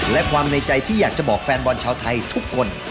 และความในใจที่อยากจะบอกแฟนบอลชาวไทยทุกคน